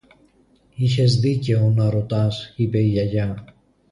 Έχεις δίκαιο να ρωτάς, είπε η Γιαγιά